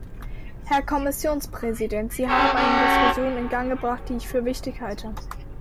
Herr Kommissionspräsident, Sie haben eine Diskussion in Gang gebracht, die ich für wichtig halte.